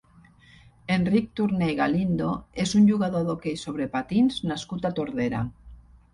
Enric Torner i Galindo és un jugador d'hoquei sobre patins nascut a Tordera.